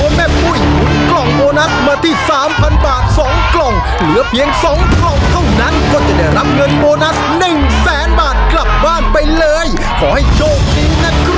โอ้แม่ปุ้ยกล่องโมนัสมาที่๓๐๐๐บาท๒กล่องเหลือเพียง๒กล่องเท่านั้นก็จะได้รับเงินโมนัส๑แสนบาทกลับบ้านไปเลยขอให้โชคดีนะครับ